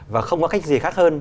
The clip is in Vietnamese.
và không có cách gì khác hơn